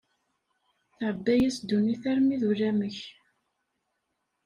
Tεebba-yas ddunit armi d ulamek.